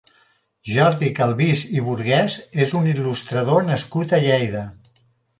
Jordi Calvís i Burgués és un il·lustrador nascut a Lleida.